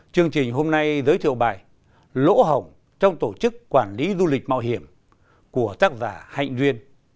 chương trình hôm nay giới thiệu bài lỗ hỏng trong tổ chức quản lý du lịch mạo hiểm của tác giả hạnh duyên